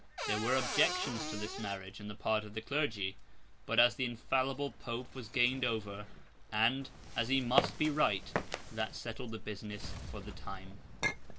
There were objections to this marriage on the part of the clergy; but, as the infallible Pope was gained over, and, as he must be right, that settled the business for the time.